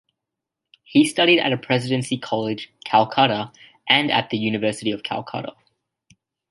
He studied at Presidency College, Calcutta and at the University of Calcutta.